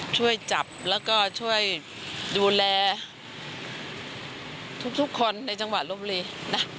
ช่วยจับแล้วก็ช่วยดูแลทุกคนในจังหวัดลบบุรีนะ